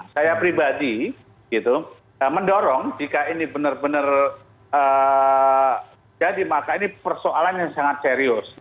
saya pribadi mendorong jika ini benar benar jadi maka ini persoalan yang sangat serius